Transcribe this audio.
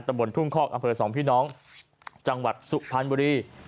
ตระบวนทุ่มคอกอำเภอสองพี่น้องจังหวัดสุภัณฑ์บุรี